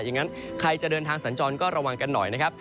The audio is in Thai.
อย่างนั้นใครจะเดินทางสัญจรก็ระวังกันหน่อยนะครับ